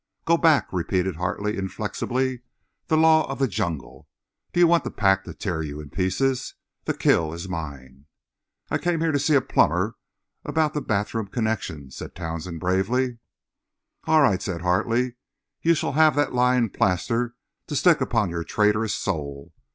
"Go back," repeated Hartley, inflexibly. "The Law of the Jungle. Do you want the Pack to tear you in pieces? The kill is mine." "I came here to see a plumber about the bathroom connections," said Townsend, bravely. "All right," said Hartley. "You shall have that lying plaster to stick upon your traitorous soul.